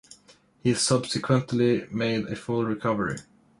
He subsequently made a full recovery.